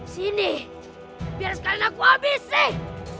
sini biar sekali aku habis nih